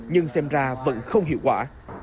nhưng xem ra vẫn không hiệu quả